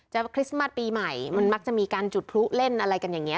คริสต์มัสปีใหม่มันมักจะมีการจุดพลุเล่นอะไรกันอย่างนี้